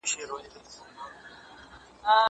زه به اوږده موده کالي وچولي وم؟